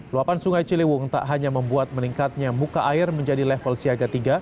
luapan sungai ciliwung tak hanya membuat meningkatnya muka air menjadi level siaga tiga